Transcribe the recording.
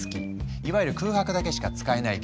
いわゆる空白だけしか使えない言語。